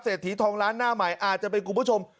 เศรษฐีทองร้านหน้าหมายอาจจะเป็นกลุ่มผู้ชม